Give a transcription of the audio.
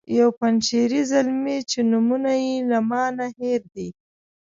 یو پنجشیری زلمی چې نومونه یې له ما نه هیر دي.